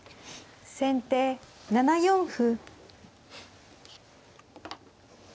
先手７四歩。